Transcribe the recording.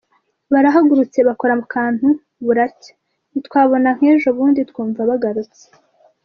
Barahagurutse bakora akantu buracya ntitwababona nkejobundi twumva bagarutse.